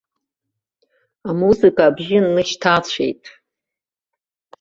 Амузыка абжьы нышьҭацәеит.